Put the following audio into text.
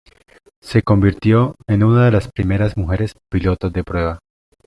Se convirtió en una de las primeras mujeres pilotos de pruebas.